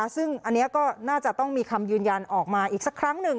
ซึ่งอันนี้ก็น่าจะต้องมีคำยืนยันออกมาอีกสักครั้งหนึ่ง